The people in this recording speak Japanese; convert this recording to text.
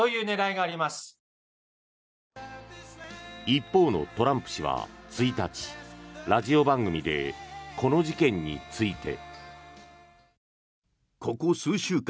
一方のトランプ氏は１日ラジオ番組でこの事件について。